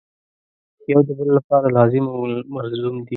یو د بل لپاره لازم او ملزوم دي.